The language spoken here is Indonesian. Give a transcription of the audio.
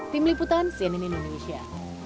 tim liputan cnn indonesia